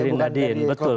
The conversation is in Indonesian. dari nahdien betul